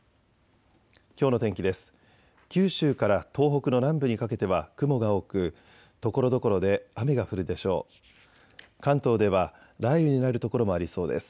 きょうの天気です。